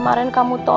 mereka masih ada